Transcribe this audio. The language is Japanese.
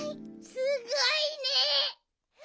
すごいね！